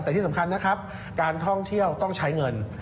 แต่ที่สำคัญนะครับการท่องเที่ยวต้องใช้เงิน